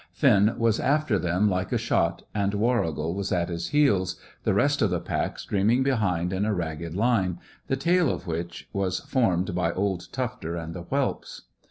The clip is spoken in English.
Finn was after them like a shot, and Warrigal was at his heels, the rest of the pack streaming behind in a ragged line, the tail of which was formed by old Tufter and the whelps.